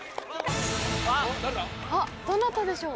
どなたでしょう？